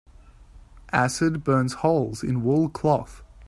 Acid burns holes in wool cloth.